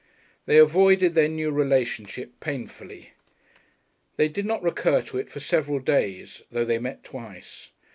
They avoided their new relationship painfully. They did not recur to it for several days, though they met twice.